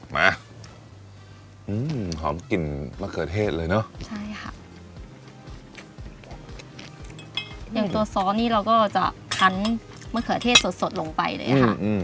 อย่างตัวซอสนี่เราก็จะคันมะเขือเทศสดสดลงไปเลยค่ะอืมอืม